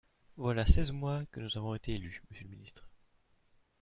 Voilà seize mois que nous avons été élus, monsieur le ministre.